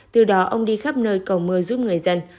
từ đó ông đi khắp nơi cầu mưa giúp người dân